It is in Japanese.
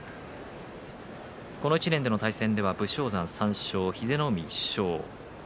この１年の対戦では武将山３勝、英乃海１勝です。